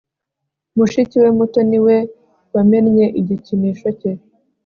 Mushiki we muto ni we wamennye igikinisho cye